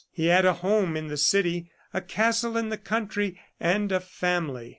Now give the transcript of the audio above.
He had a home in the city, a castle in the country, and a family.